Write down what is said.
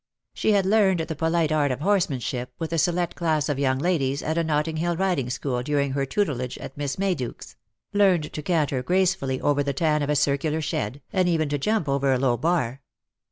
She had learned the polite art of horsemanship, with a select class of young ladies, at a Notting hill riding school during her tutelage at Miss Mayduke's ; learned to canter gracefully over the tan of a circular shed, and even to jump over a low bar.